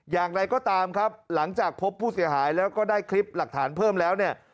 อย่างไรก็ตามครับหลังจากพบผู้เสียหายแล้วก็ได้คลิปหลักฐานเพิ่มแล้วเนี่ย